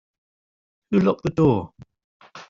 Who locked the door?